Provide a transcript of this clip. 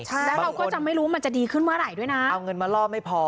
ใช่แล้วเราก็จะไม่รู้มันจะดีขึ้นเมื่อไหร่ด้วยนะเอาเงินมาล่อไม่พอ